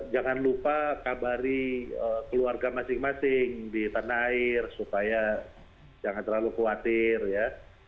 jangan lupa kabari keluarga masing masing di tanah air supaya jangan terlalu khawatir ya